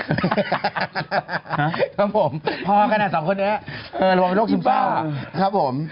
ครับผมพอขณะสองคนแล้วน่ะรวมโรคชีวิตเจ้าครับผม